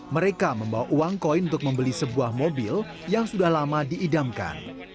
mereka membawa uang koin untuk membeli sebuah mobil yang sudah lama diidamkan